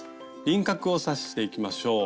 輪郭を刺していきましょう。